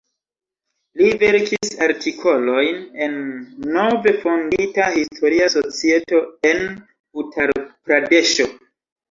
Li verkis artikolojn en nove fondita Historia Societo en Utar-Pradeŝo.